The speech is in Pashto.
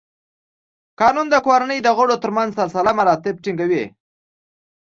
قانون د کورنۍ د غړو تر منځ سلسله مراتب ټینګوي.